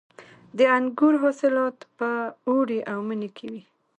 د انګورو حاصلات په اوړي او مني کې وي.